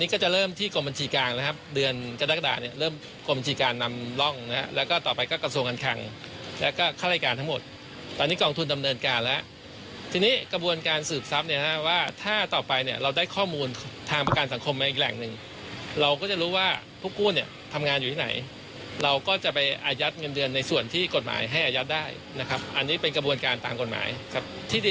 กรมจิการนำร่องนะฮะแล้วก็ต่อไปก็กระทรวงการคังแล้วก็ค่ารายการทั้งหมดตอนนี้กองทุนดำเนินการแล้วทีนี้กระบวนการสืบทรัพย์เนี้ยฮะว่าถ้าต่อไปเนี้ยเราได้ข้อมูลทางประการสังคมมาอีกแหล่งหนึ่งเราก็จะรู้ว่าผู้กู้เนี้ยทำงานอยู่ที่ไหนเราก็จะไปอายัดเงินเดือนในส่วนที่กฎหมายให้อายัดได้นะครับอ